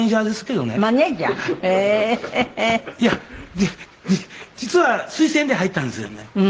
いや実は推薦で入ったんですけどね。